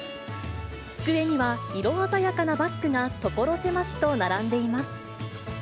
机には色鮮やかなバッグが所狭しと並んでいます。